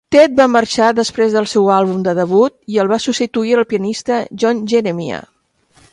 Ted va marxar després del seu àlbum de debut i el va substituir el pianista John Jeremiah.